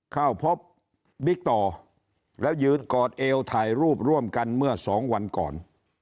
เข้าพบบิ๊กต่อแล้วยืนกอดเอวถ่ายรูปร่วมกันเมื่อสองวันก่อน